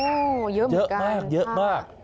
โอ้เยอะเหมือนกันค่ะเยอะมากเยอะมาก